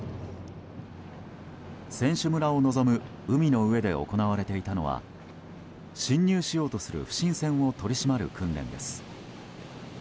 選手村を望む海の上で行われていたのは侵入しようとする不審船を取り締まる訓練です。